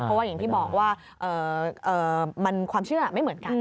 เพราะว่าอย่างที่บอกว่าความเชื่อไม่เหมือนกัน